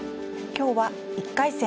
今日は１回戦